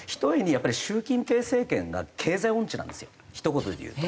やっぱり習近平政権が経済音痴なんですよひと言で言うと。